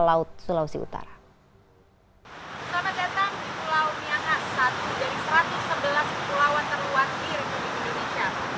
selamat datang di pulau miangas satu dari satu ratus sebelas pulau terluar di indonesia